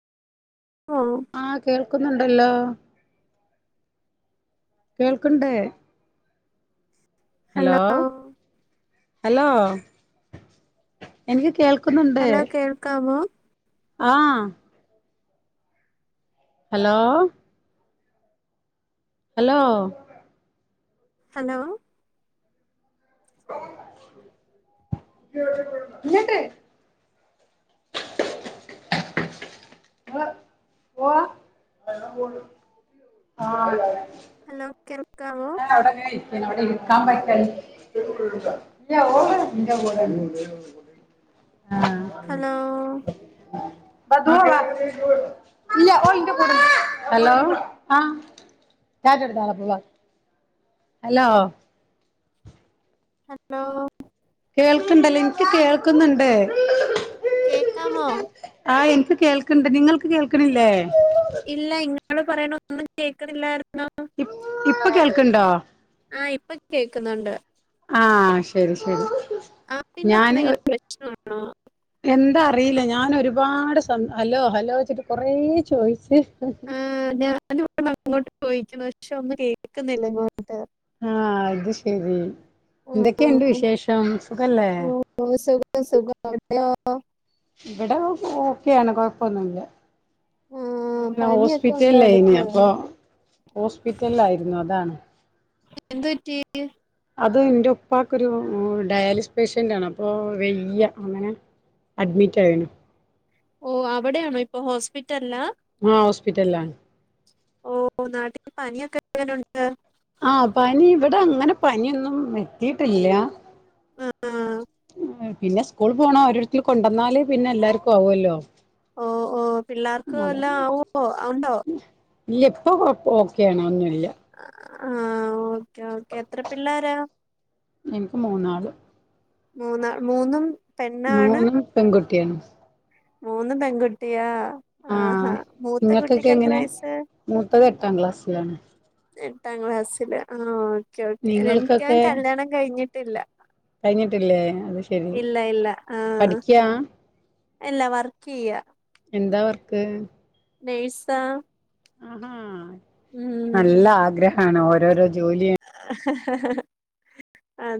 ഓ ആഹ് കേൾ ക്കുന്നണ്ടല്ലോ. കേൾക്കുണ്ടെ ഹലോ ഹലോ എനിക്ക് കേൾ ഹലോ കേൾക്കാമോ? ആ ഹലോ? Hello hello? ന്നിട്ട് അ ഓ ആ ഹലോ? കേൾക്കാവോ? [unintelligible] ഹലോ? ഇല്ല ഓ ഇ ഹലോ ആ കേട്ടെടുതാള പവാ ഹലോ? ഹലോ? കേൾക്കണ്ടല്ലേ എനിക്ക് കേൾക്കുന്നുണ്ട്. കേക്കാമോ ആഹ് എനിക്ക് കേൾക്കണ്ട് നിങ്ങൾക്ക് കേൾക്കണില്ലേ? നടെ പറയണ ഒന്നും കേക്കുന്നില്ലായിരുന്നോ. ഇ ഇപ്പൊ കേൾക്കണ്ടോ? ആഹ് ഇപ്പൊ കേക്കുന്നുണ്ട് ആഹ ശരി ശരി ആപ്പിൻ്റെ ഞാന് എന്തേ പ്രശ്ന ആ എന്താ അറിയില്ല ഞാനൊ ഒരുപാട് ഹലോ ഹലോ ചച്ചിട്ട് കൊറേ ചോയ്ച്ച്. ആ ഇ അങ്ങോട്ട് പോയിക്കുന്നു പക്ഷെ ഒന്നും കേക്കുന്നില്ല. ആഹ് അത് ശരി ആ, എന്തൊക്കെയുണ്ട് വിശേഷം. സുഖല്ലേ? സുഖം സുഖം അവിടെയോ ഓ ഇവിടെ ഓക്കെയാണ് കൊഴപ്പൊന്നുല്ല. ആ ഞൻ പനിയൊക്കെ ഉണ്ടോ ഹോസ്പിറ്റലയിന അടുത്ത് അപ്പൊ ഹോസ്പിറ്റല ആയിരുന്നു. അതാണ്. എന്തുറ്റി. അത് എന്റെ ഉപ്പാക്ക് ഒരു ഡയാലിസ് പേസ്റ്റൻ് ആണ് അപ്പോൾ വയ്യ അങ്ങനെ അഡ്മിറ്റ ആയു ഓ അവിടെയാണോ ഇപ്പൊ ഹോസ്പി ആ ഹോസ്പിറ്റലിലാണ് ഓ നാട്ടി പനിയോ എങ്ങനുണ്ട് ആ പനി ഇവിടെ അങ്ങനെ പനിയൊന്നും വെത്തിട്ടില്ല. ആ ആ പിന്നെ സ്കൂൾ പോണ ഓരോര്ത്തര് കൊണ്ടന്നാല് പിന്നെ എല്ലാര്ക്കും ആവോലൊ. ഓ ഓ പിള്ളാർക്ക് എല്ലാം ആവോ ഉണ്ടോ ഇല്ല ഇപ്പൊ കൊയപ്പ് ഓക്കേണ് ഒന്ന് ഇല്ല ആഹ് ഓക്കേ ഓക്കേ എത്ര പിള്ളാരാ? എനിക്ക് മൂന്നാൾ മൂന്നാ മൂന്നും മൂന്നും പെങ്കു ട്ട്യാണ്. മൂന്ന് പെങ്കുട്ടിയാ ആ ആഹ് ഹാ മൂത്ത നിങ്ങൾക്കൊക്കെ കുട്ടിക്ക് എത്ര എങ്ങനെ വയസ്? മൂത്തത് എട്ടാം ക്ലാസ്സിലാണ് എട്ടാക്ലാസ്സിലാ [unintelligible] ഓക്കെ ഓക്കെ എനിക്ക് ഞാ നിങ്ങൾക്കൊക്കെ കല്യാണം കഴിഞ്ഞി ട്ടില്ല കഴിഞ്ഞിട്ടില്ലേ അത് ശെരി പഠിക്ക്യാ അല്ല വർക്കെയ്യാ എന്താ വർക്ക്? നേഴ്സാ അ ആ ഉം നല്ല ആഗ്രഹ ആണോ ഓരോരോ ജോലി ആ